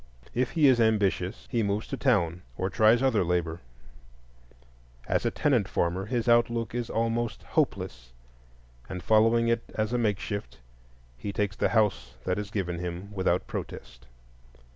If he is ambitious, he moves to town or tries other labor; as a tenant farmer his outlook is almost hopeless, and following it as a makeshift, he takes the house that is given him without protest.